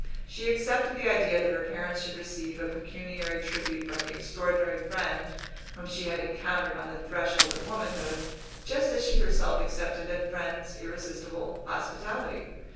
She accepted the idea that her parents should receive a pecuniary tribute from the extraordinary friend whom she had encountered on the threshold of womanhood, just as she herself accepted that friend's irresistible hospitality.